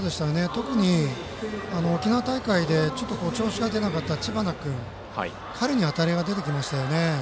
特に、沖縄大会でちょっと調子が出なかった知花君に当たりが出てきましたよね。